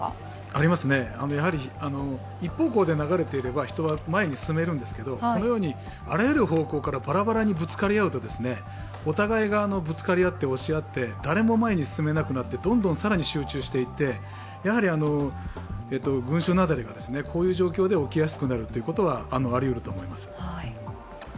ありますね、一方向で流れていれば人は前に進めるんですけど、このようにあらゆる方向からバラバラにぶつかり合うと、お互いがぶつかり合って押し合って誰も前に進めなくなってどんどん、更に集中していって、群集雪崩がこういう状況に起きやすくなるということはありうると思います。